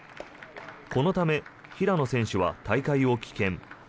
このため平野選手は大会を棄権。